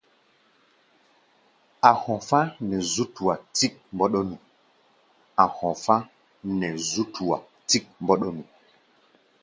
A̧ hɔfá̧ nɛ zú tua tík mbɔ́ɗɔ́nu.